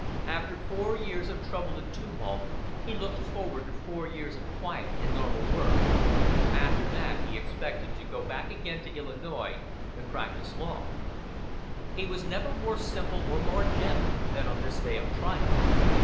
After four years of trouble and tumult he looked forward to four years of quiet and normal work; after that he expected to go back again to Illinois and practice law. He was never more simple or more gentle than on this day of triumph.